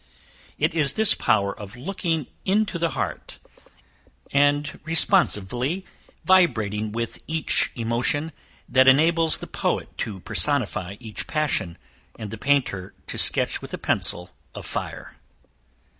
It is this power of looking into the heart, and responsively vibrating with each emotion, that enables the poet to personify each passion, and the painter to sketch with a pencil of fire.